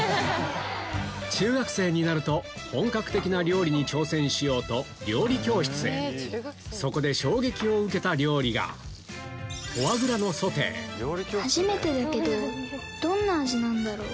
本格的な料理に挑戦しようとそこで衝撃を受けた料理が初めてだけどどんな味なんだろう？